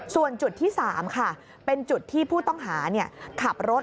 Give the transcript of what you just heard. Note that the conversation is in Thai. ส่วนจุดที่๓ค่ะเป็นจุดที่ผู้ต้องหาขับรถ